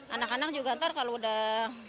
anak anak juga nanti kalau sudah